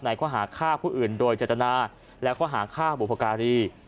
ข้อหาฆ่าผู้อื่นโดยเจตนาและข้อหาฆ่าบุพการี